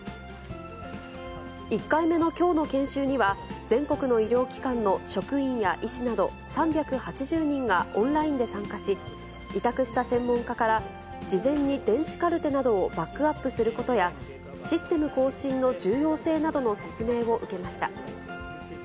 １回目のきょうの研修には、全国の医療機関の職員や医師など３８０人がオンラインで参加し、委託した専門家から、事前に電子カルテなどをバックアップすることや、システム更新の重要性などの説明を受けました。